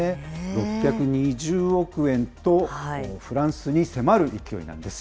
６２０億円と、フランスに迫る勢いなんです。